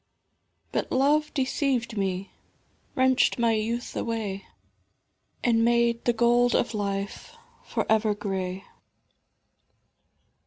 But Love deceived me, wrenched my youth away And made the gold of life for ever grey.